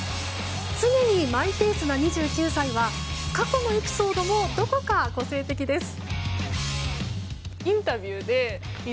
常にマイペースな２９歳は過去のエピソードもどこか個性的です。